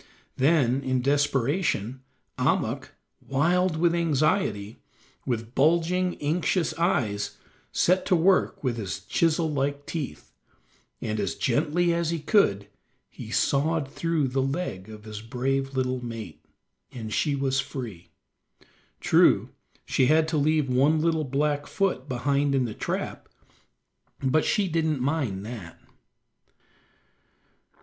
Then, in desperation, Ahmuk, wild with anxiety, with bulging, anxious eyes, set to work with his chisel like teeth, and as gently as he could he sawed through the leg of his brave little mate, and she was free. True, she had to leave one little black foot behind in the trap, but she didn't mind that.